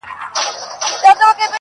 لا به په تا پسي ژړېږمه زه.